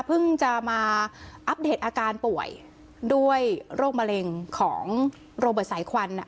เพิ่งจะมาอัปเดตอาการป่วยด้วยโรคมะเร็งของโรเบิร์ตสายควัน